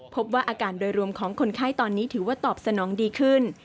พบว่าอาการโดยรวมของคนไข้ตอนนี้ถือว่าตอบสนองดีขึ้น